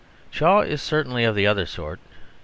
Shaw is certainly of the other sort.